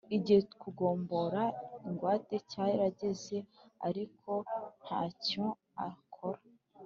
igihe kugombora ingwate cyarageze ariko ntacyo arakora